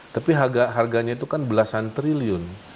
tapi harganya itu kan belasan triliun